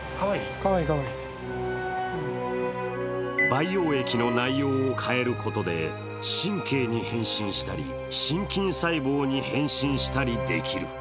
培養液の内容を変えることで神経に変身したり心筋細胞に変身したりできる。